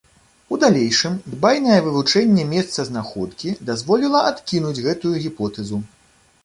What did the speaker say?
У далейшым дбайнае вывучэнне месца знаходкі дазволіла адкінуць гэтую гіпотэзу.